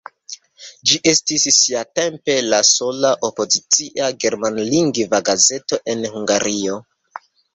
Ĝi estis siatempe la sola opozicia germanlingva gazeto en Hungario.